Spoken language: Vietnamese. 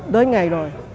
đến ngày rồi